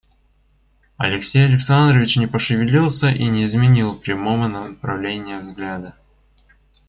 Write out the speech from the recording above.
Алексей Александрович не пошевелился и не изменил прямого направления взгляда.